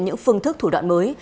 những phương thức thủ đoạn mới